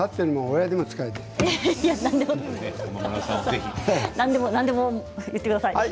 何でも言ってください。